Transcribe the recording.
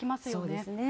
そうですね。